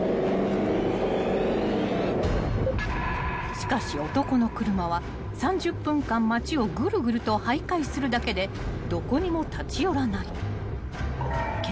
［しかし男の車は３０分間町をぐるぐると徘徊するだけでどこにも立ち寄らない］